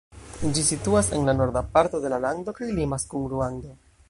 Ĝi situas en la norda parto de la lando, kaj limas kun Ruando.